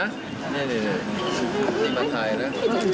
นี่ตีมันไทยนะ